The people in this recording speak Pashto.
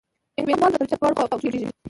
وینګ وال د پلچک په دواړو خواو کې جوړیږي